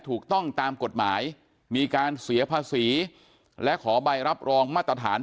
ถูกต้องตามกฎหมายมีการเสียภาษีและขอใบรับรองมาตรฐาน